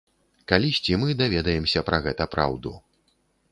Калісьці мы даведаемся пра гэта праўду.